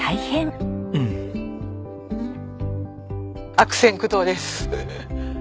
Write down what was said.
悪戦苦闘です。